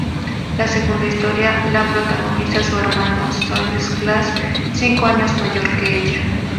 La segunda historia la protagoniza su hermano Zooey Glass, cinco años mayor que ella.